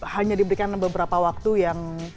hanya diberikan beberapa waktu yang